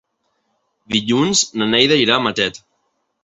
Dilluns na Neida irà a Matet.